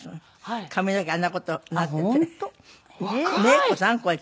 髪の毛があんな事になっていて。